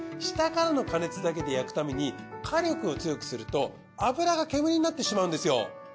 下からの加熱だけで焼くために火力を強くすると油が煙になってしまうんですよ。